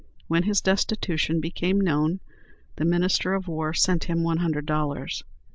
When his destitution became known, the minister of war sent him one hundred dollars.